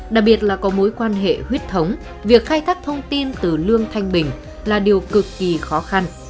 đặc biệt là có mối quan hệ huyết thống việc khai thác thông tin từ lương thanh bình là điều cực kỳ khó khăn